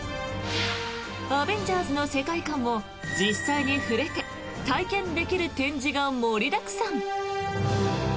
「アベンジャーズ」の世界観を実際に触れて体験できる展示が盛りだくさん！